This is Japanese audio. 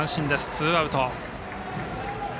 ツーアウト。